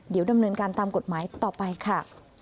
เดี๋ยวดำเนินการตามกฎหมายต่อไปค่ะ